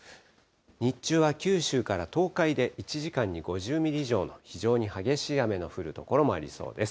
日中は九州から東海で１時間に５０ミリ以上の非常に激しい雨の降る所もありそうです。